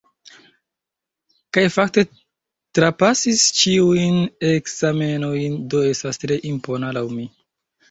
Kaj fakte trapasis ĉiujn ekzamenojn, do estas tre impona laŭ mi.